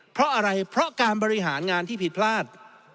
เพราะอะไรเพราะการบริหารงานที่ผิดพลาด